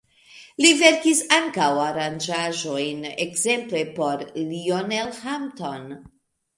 Li verkis ankaŭ aranĝaĵojn ekzemple por Lionel Hampton.